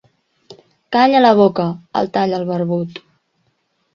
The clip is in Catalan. Calla la boca! —el talla el barbut—.